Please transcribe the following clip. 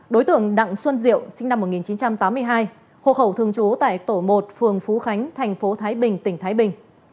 đối tượng đặng xuân diệu sinh năm một nghìn chín trăm tám mươi hai hộ khẩu thường trú tại tổ một phường phú khánh thành phố thái bình tỉnh thái bình